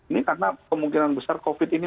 ini karena kemungkinan besar covid sembilan belas ini